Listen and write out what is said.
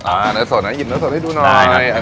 เนื้อสดนะหยิบเนื้อสดให้ดูหน่อย